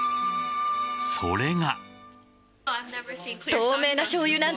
それが。